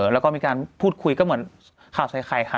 แล้วก็มีการพูดคุยก็เหมือนข่าวใส่ไข่ค่ะ